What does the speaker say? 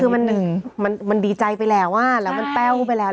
คือมันดีใจไปแล้วว่าแล้วมันเป้าไปแล้ว